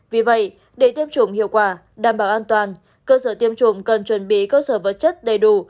vì vậy để tiêm chủng hiệu quả đảm bảo an toàn cơ sở tiêm chủng cần chuẩn bị cơ sở vật chất đầy đủ